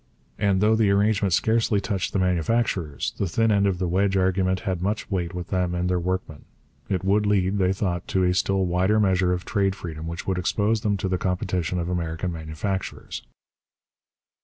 And though the arrangement scarcely touched the manufacturers, the thin end of the wedge argument had much weight with them and their workmen. It would lead, they thought, to a still wider measure of trade freedom which would expose them to the competition of American manufacturers.